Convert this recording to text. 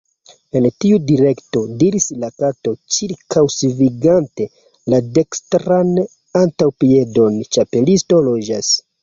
"En tiu direkto," diris la Kato, ĉirkaŭsvingante la dekstran antaŭpiedon, "Ĉapelisto loĝas. »